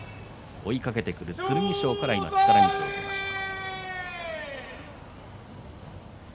追いかけてくる剣翔から力水をもらいました。